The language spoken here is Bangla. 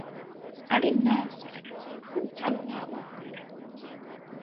আরে না স্যার, খুব ভালো নাম আপনার।